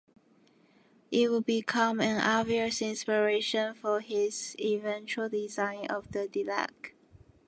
It would become an obvious inspiration for his eventual design of the Dalek.